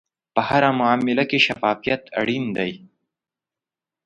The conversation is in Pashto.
په هره معامله کې شفافیت اړین دی.